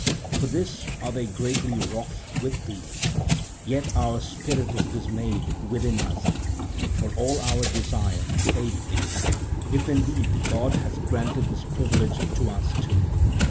For this are they greatly wroth with thee? Yet our spirit is dismayed within us for all our desire to aid thee, if indeed the god has granted this privilege to us two.